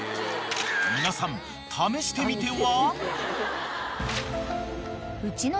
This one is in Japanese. ［皆さん試してみては？］